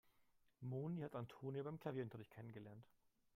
Moni hat Antonia beim Klavierunterricht kennengelernt.